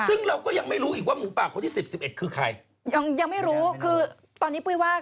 เอาละแน่นอนว่า